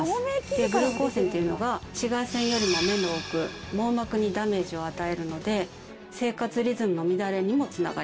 ブルー光線っていうのが紫外線よりも目の奥網膜にダメージを与えるので生活リズムの乱れにも繋がります。